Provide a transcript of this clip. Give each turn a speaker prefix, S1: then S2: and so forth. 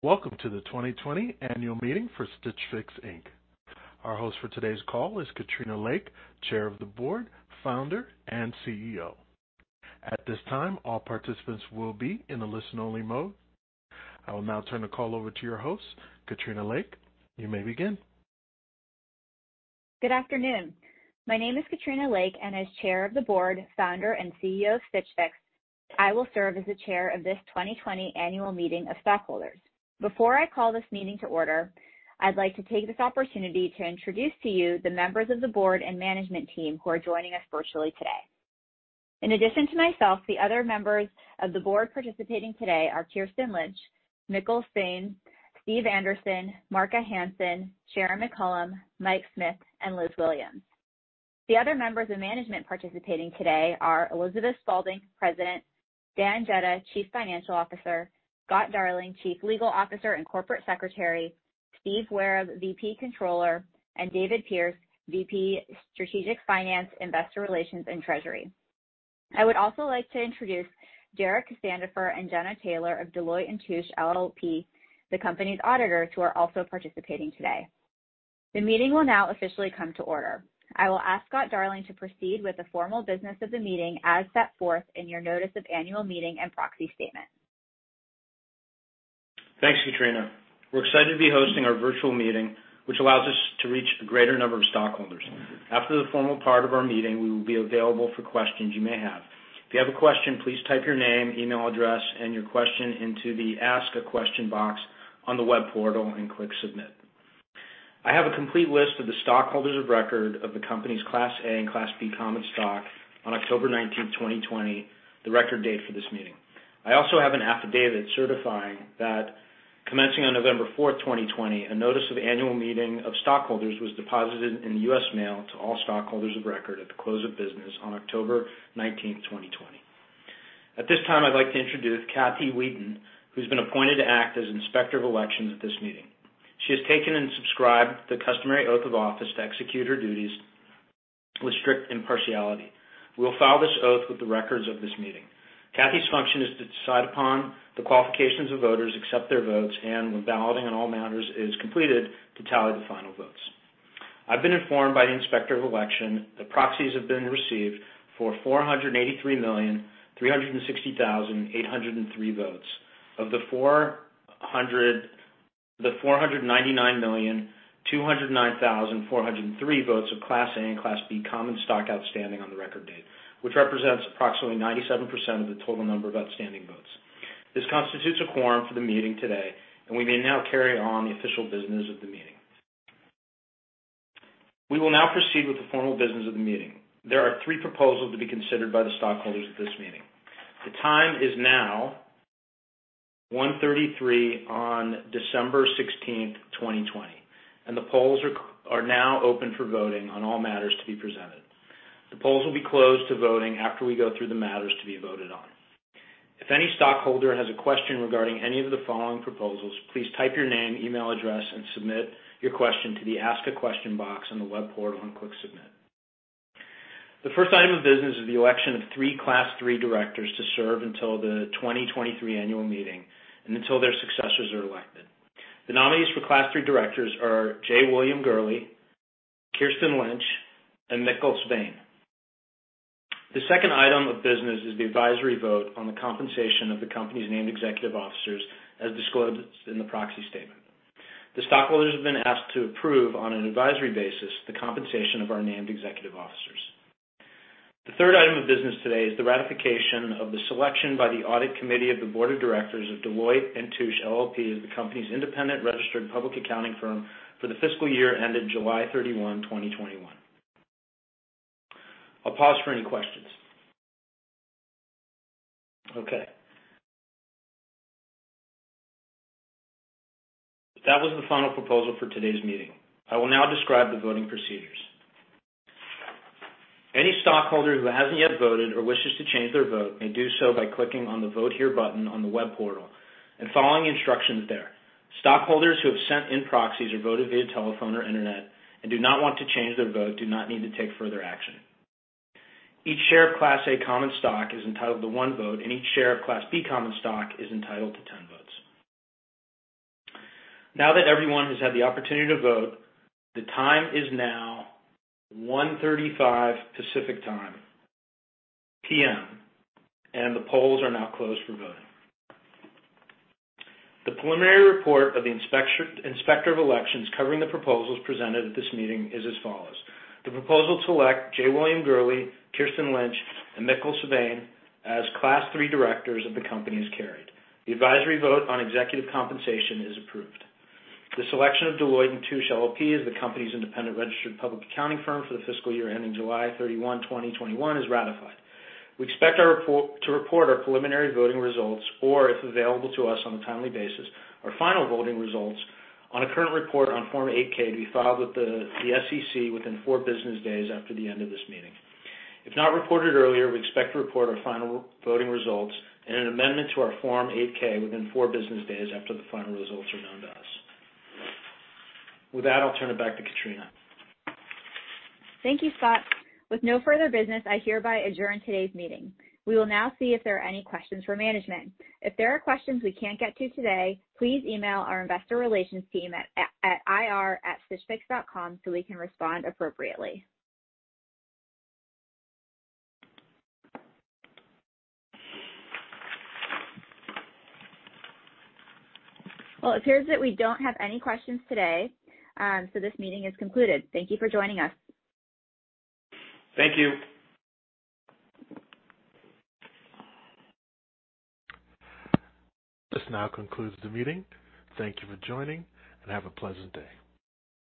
S1: Welcome to the 2020 Annual Meeting for Stitch Fix, Inc. Our host for today's call is Katrina Lake, Chair of the Board, Founder, and CEO. At this time, all participants will be in a listen-only mode. I will now turn the call over to your host, Katrina Lake. You may begin.
S2: Good afternoon. My name is Katrina Lake, and as Chair of the Board, Founder, and CEO of Stitch Fix, I will serve as the Chair of this 2020 Annual Meeting of Stakeholders. Before I call this meeting to order, I'd like to take this opportunity to introduce to you the members of the Board and Management Team who are joining us virtually today. In addition to myself, the other members of the Board participating today are Kirsten Lynch, Mikkel Svane, Steve Anderson, Marka Hansen, Sharon McCollam, Mike Smith, and Liz Williams. The other members of Management participating today are Elizabeth Spaulding, President, Dan Jedda, Chief Financial Officer, Scott Darling, Chief Legal Officer and Corporate Secretary, Steve Wehr, VP Controller, and David Pearce, VP Strategic Finance, Investor Relations, and Treasury. I would also like to introduce Derek Sandifer and Jenna Taylor of Deloitte & Touche LLP, the company's auditors, who are also participating today. The meeting will now officially come to order. I will ask Scott Darling to proceed with the formal business of the meeting as set forth in your Notice of Annual Meeting and Proxy Statement.
S3: Thanks, Katrina. We're excited to be hosting our virtual meeting, which allows us to reach a greater number of stockholders. After the formal part of our meeting, we will be available for questions you may have. If you have a question, please type your name, email address, and your question into the Ask a Question box on the web portal and click Submit. I have a complete list of the stockholders of record of the company's Class A and Class B Common Stock on October 19, 2020, the record date for this meeting. I also have an affidavit certifying that, commencing on November 4, 2020, a Notice of Annual Meeting of Stockholders was deposited in the U.S. mail to all stockholders of record at the close of business on October 19, 2020. At this time, I'd like to introduce Kathy Wheaton, who's been appointed to act as Inspector of Elections at this meeting. She has taken and subscribed the customary oath of office to execute her duties with strict impartiality. We will file this oath with the records of this meeting. Kathy's function is to decide upon the qualifications of voters, accept their votes, and, when balloting on all matters is completed, to tally the final votes. I've been informed by the Inspector of Elections that proxies have been received for 483,360,803 votes of the 499,209,403 votes of Class A and Class B Common Stock outstanding on the record date, which represents approximately 97% of the total number of outstanding votes. This constitutes a quorum for the meeting today, and we may now carry on the official business of the meeting. We will now proceed with the formal business of the meeting. There are three proposals to be considered by the stockholders at this meeting. The time is now 1:33 P.M. on December 16, 2020, and the polls are now open for voting on all matters to be presented. The polls will be closed to voting after we go through the matters to be voted on. If any stockholder has a question regarding any of the following proposals, please type your name, email address, and submit your question to the Ask a Question box on the web portal and click Submit. The first item of business is the election of three Class III directors to serve until the 2023 Annual Meeting and until their successors are elected. The nominees for Class III directors are J. William Gurley, Kirsten Lynch, and Mikkel Svane. The second item of business is the advisory vote on the compensation of the company's named executive officers, as disclosed in the Proxy Statement. The stockholders have been asked to approve on an advisory basis the compensation of our named executive officers. The third item of business today is the ratification of the selection by the Audit Committee of the Board of Directors of Deloitte & Touche LLP as the company's independent registered public accounting firm for the fiscal year ending July 31, 2021. I'll pause for any questions. Okay. That was the final proposal for today's meeting. I will now describe the voting procedures. Any stockholder who hasn't yet voted or wishes to change their vote may do so by clicking on the Vote Here button on the web portal and following the instructions there. Stockholders who have sent in proxies or voted via telephone or internet and do not want to change their vote do not need to take further action. Each share of Class A Common Stock is entitled to one vote, and each share of Class B Common Stock is entitled to 10 votes. Now that everyone has had the opportunity to vote, the time is now 1:35 P.M. Pacific Time, and the polls are now closed for voting. The preliminary report of the Inspector of Elections covering the proposals presented at this meeting is as follows. The proposal to elect J. William Gurley, Kirsten Lynch, and Mikkel Svane as Class III directors of the company is carried. The advisory vote on executive compensation is approved. The selection of Deloitte & Touche LLP as the company's independent registered public accounting firm for the fiscal year ending July 31, 2021, is ratified. We expect our report to report our preliminary voting results or, if available to us on a timely basis, our final voting results on a current report on Form 8-K to be filed with the SEC within four business days after the end of this meeting. If not reported earlier, we expect to report our final voting results and an amendment to our Form 8-K within four business days after the final results are known to us. With that, I'll turn it back to Katrina.
S2: Thank you, Scott. With no further business, I hereby adjourn today's meeting. We will now see if there are any questions for Management. If there are questions we can't get to today, please email our Investor Relations Team at ir@stitchfix.com so we can respond appropriately. Well, it appears that we don't have any questions today, so this meeting is concluded. Thank you for joining us.
S3: Thank you.
S1: This now concludes the meeting. Thank you for joining, and have a pleasant day.